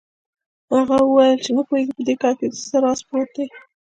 هغه وویل چې نه پوهېږي په دې کار کې څه راز پروت دی.